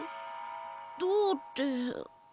どうって。